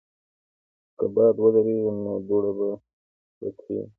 که باد ودریږي، نو دوړه به کښېني.